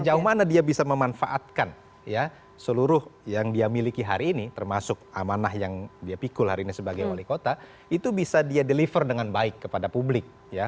sejauh mana dia bisa memanfaatkan seluruh yang dia miliki hari ini termasuk amanah yang dia pikul hari ini sebagai wali kota itu bisa dia deliver dengan baik kepada publik